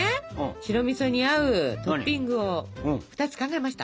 白みそに合うトッピングを２つ考えました。